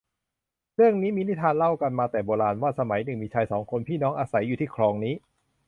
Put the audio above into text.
เรื่องนี้มีนิทานเล่ากันมาแต่โบราณว่า สมัยหนึ่งมีชายสองคนพี่น้องอาศัยอยู่ที่คลองนี้